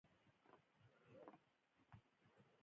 د منځنیو پېړیو په هند کې زندان نه و.